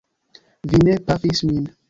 Vi ne pafis min!